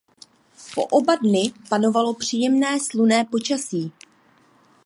Po oba dny panovalo příjemné slunečné počasí.